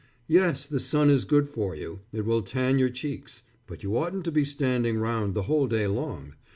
"Yes, the sun is good for you. It will tan your cheeks. But you oughtn't to be standing round the whole day long.